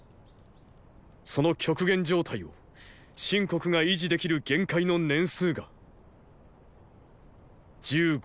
その極限状態を秦国が維持できる限界の年数がーー“十五年”。